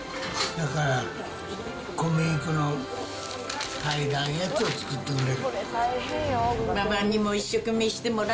だから、小麦粉の入らんやつを作ってくれる。